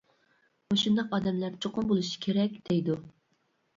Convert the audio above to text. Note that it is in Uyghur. مۇشۇنداق ئادەملەر چوقۇم بولۇشى كېرەك، دەيدۇ.